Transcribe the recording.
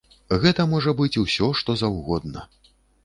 Гэта можа быць усё, што заўгодна.